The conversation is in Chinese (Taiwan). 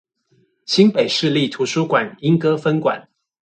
新北市立圖書館鶯歌分館